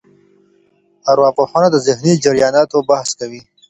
ارواپوهنه د ذهني جرياناتو بحث کوي.